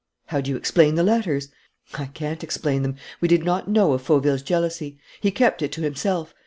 "How do you explain the letters?" "I can't explain them. We did not know of Fauville's jealousy. He kept it to himself.